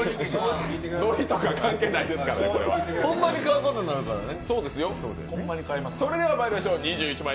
ノリとか関係ないですから、これはホンマに買うことになるからね。